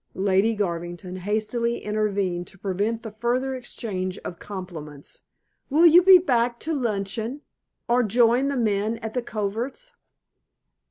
Lady Garvington hastily intervened to prevent the further exchange of compliments. "Will you be back to luncheon, or join the men at the coverts?"